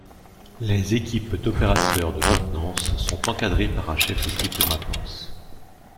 Les équipes d'opérateurs de maintenance sont encadrées par un chef d'équipe de maintenance.